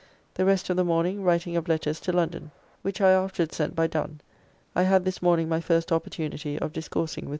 The rest of the morning writing of letters to London which I afterwards sent by Dunne. I had this morning my first opportunity of discoursing with Dr. Clarke, [Timothy Clarke, M. D.